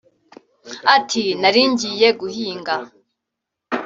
Ati “Nari ngiye guhinga